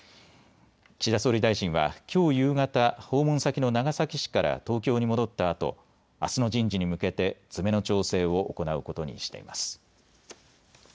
岸田総理大臣はきょう夕方、訪問先の長崎市から東京に戻ったあと、あすの人事に向けて詰めの調整を行うことにしています。